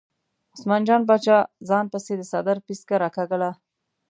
عثمان جان باچا ځان پسې د څادر پیڅکه راکاږله.